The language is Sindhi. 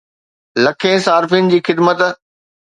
لکين صارفين جي خدمت